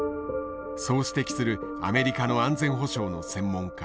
そう指摘するアメリカの安全保障の専門家